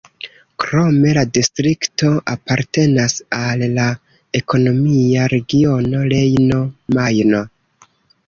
Krome la distrikto apartenas al la ekonomia regiono Rejno-Majno.